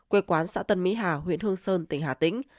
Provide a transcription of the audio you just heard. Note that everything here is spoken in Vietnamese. quê quán xã tân mỹ hà huyện hương sơn tỉnh hà tĩnh